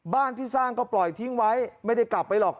บ้านที่สร้างก็ปล่อยทิ้งไว้ไม่ได้กลับไปหรอก